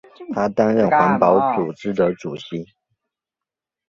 他担任环保组织的主席。